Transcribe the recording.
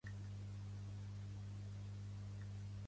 Fugen de l'escena i tornen al seu quefer quotidià a Bangkok.